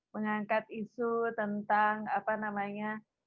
mengangkat isu tentang apa namanya